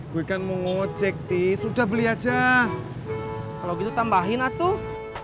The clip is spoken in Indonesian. gue kan mau ngecek di sudah beli aja kalau gitu tambahin atuh